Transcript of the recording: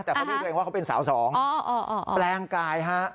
แต่เขาดูเองว่าเขาเป็นสาวสองอ๋ออ๋ออ๋อแปลงกายฮะฮะ